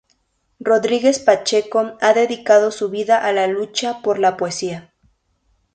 Rodríguez Pacheco ha dedicado su vida a la lucha por la poesía.